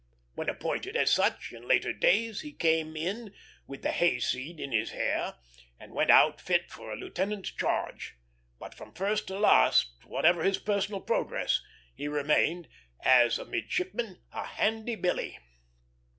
When appointed as such, in later days, he came in "with the hay seed in his hair," and went out fit for a lieutenant's charge; but from first to last, whatever his personal progress, he remained, as a midshipman, a handy billy.